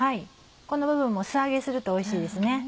この部分も素揚げするとおいしいですね。